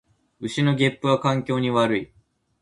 牛のげっぷは環境に悪い